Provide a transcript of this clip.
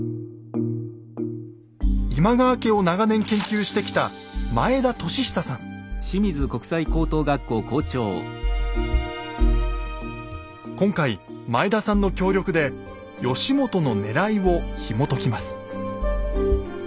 今川家を長年研究してきた今回前田さんの協力で義元のねらいをひもときます。